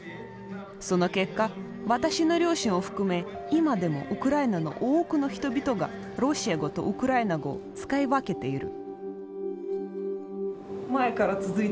その結果私の両親を含め今でもウクライナの多くの人々がロシア語とウクライナ語を使い分けている。